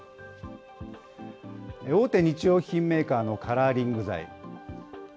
大手日用品メーカーのカラーリング剤。